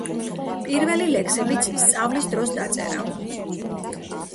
პირველი ლექსებიც სწავლის დროს დაწერა.